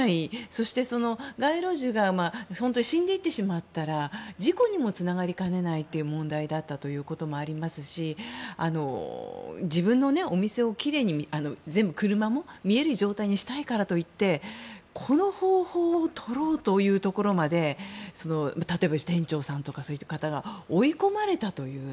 そして、街路樹が死んでいってしまったら事故にもつながりかねない問題だったこともありますし自分のお店をきれいに全部、車も見える状態にしたいからといってこの方法をとろうというところまで例えば店長さんとかが追い込まれたという。